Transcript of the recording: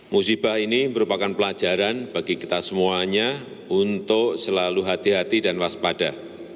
musibah ini merupakan pelajaran bagi kita semuanya untuk selalu hati hati dan waspada